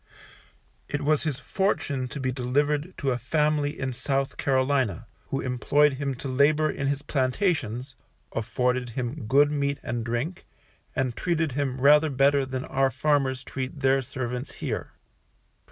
It was his fortune to be delivered to a planter in South Carolina, who employed him to labour in his plantations, afforded him good meat and drink, and treated him rather better than our farmers treat their servants here.